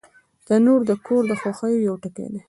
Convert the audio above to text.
تنور د کور د خوښیو یو ټکی دی